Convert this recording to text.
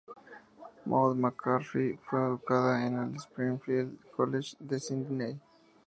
Maud McCarthy fue educada en el Springfield College de Sídney.